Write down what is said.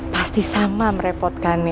pasti sama merepotkannya